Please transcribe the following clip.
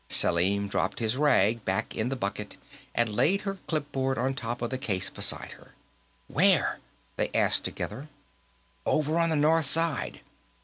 Selim dropped his rag back in the bucket; she laid her clipboard on top of the case beside her. "Where?" they asked together. "Over on the north side."